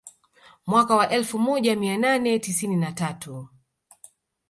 Mwaka wa elfu moja mia nane tisini na tatu